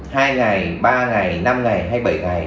hai ngày ba ngày năm ngày hay bảy ngày